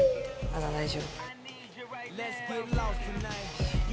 まだ大丈夫。